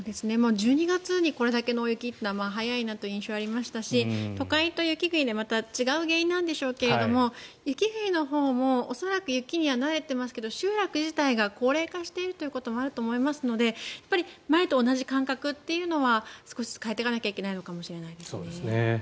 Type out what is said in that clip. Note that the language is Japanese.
１２月にこれだけの雪は早いのかなと思いましたし都会と雪国でまた違う原因なんでしょうけど雪国のほうも恐らく雪には慣れていますが集落自体が高齢化していることもあると思いますので前と同じ感覚というのは少しずつ変えていかないといけないのかもしれないですね。